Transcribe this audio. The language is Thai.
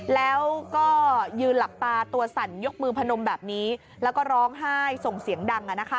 แล้วก็ยืนหลับตาตัวสั่นยกมือพนมแบบนี้แล้วก็ร้องไห้ส่งเสียงดัง